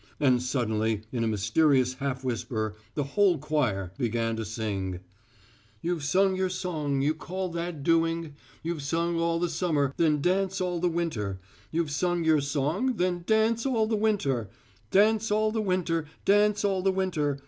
and suddenly in a mysterious half whisper the whole choir began to sing: "You've sung your song, you call that doing, You've sung all the summer, then dance all the winter, You've sung your song, then dance all the winter, Dance all the winter, dance all the winter.